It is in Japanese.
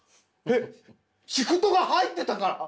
えシフトが入ってたから！？